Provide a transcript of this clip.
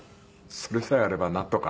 それさえあればなんとか。